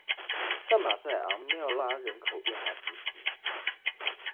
圣马塞昂缪拉人口变化图示